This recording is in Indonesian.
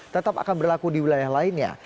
tetap akan berlaku di wilayah lainnya